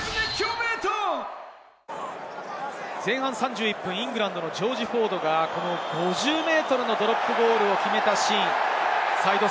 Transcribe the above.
前半３１分、イングランドのジョージ・フォードが５０ｍのドロップゴールを決めたシーン。